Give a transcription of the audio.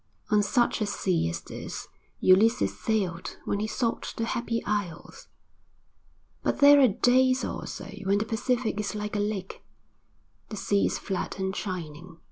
On such a sea as this Ulysses sailed when he sought the Happy Isles. But there are days also when the Pacific is like a lake. The sea is flat and shining.